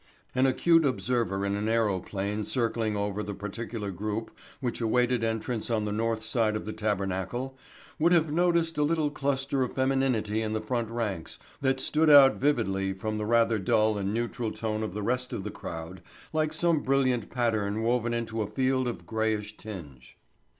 An acute observer in an aeroplane circling over the particular group which awaited entrance on the north side of the tabernacle would have noticed a little cluster of femininity in the front ranks which stood out vividly from the rather dull and neutral tone of the rest of the crowd like some brilliant pattern woven into a field of grayish tinge.